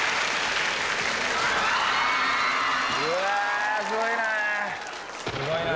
うわすごいな！